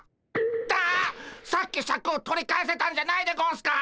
さっきシャクを取り返せたんじゃないでゴンスか？